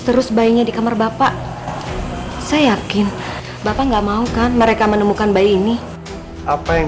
terus bayinya di kamar bapak saya yakin bapak nggak mau kan mereka menemukan bayi ini apa yang